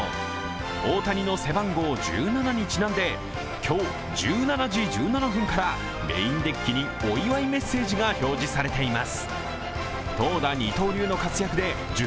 大谷の背番号１７にちなんで今日１７時１７分からメインデッキにお祝いメッセージが表示されています。